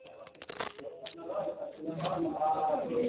anayejulikana kwa jina la uncle sanko